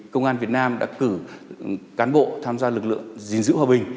công an việt nam đã cử cán bộ tham gia lực lượng gìn giữ hòa bình